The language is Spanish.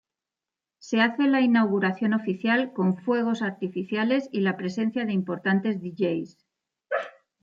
Se hace la inauguración oficial con fuegos artificiales y la presencia de importantes Dj's.